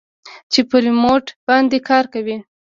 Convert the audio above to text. چې په ريموټ باندې کار کوي.